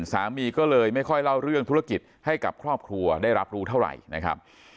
สามีก็เลยไม่ค่อยเล่าเรื่องธุรกิจให้กับครอบครัวได้รับรู้เท่าไหร่นะครับ